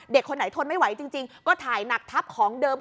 คนไหนทนไม่ไหวจริงก็ถ่ายหนักทับของเดิม